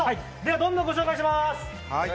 どんどんご紹介します！